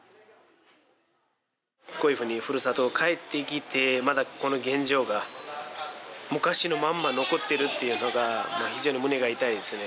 こういうふうにふるさとへ帰ってきてまだこの現状が昔のまんま残ってるっていうのが非常に胸が痛いですね